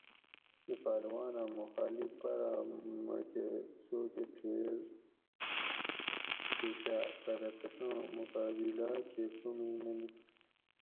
ایں پہلوانہ مخالف پرا میکہ سو کہ تھیر گشاۤ پرہ تساں مقابلا کہ کومی نہ نیکس